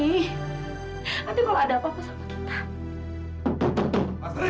nanti kalau ada apa apa sama kita